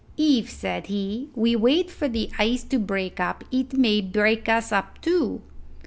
"If," said he, "we wait for the ice to break up it may break us up too."